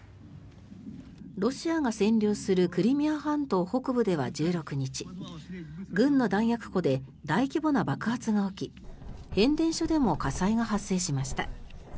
ロシアが占領するクリミア半島北部では１６日軍の弾薬庫で大規模な爆発が起き変電所でも火災が発生しました。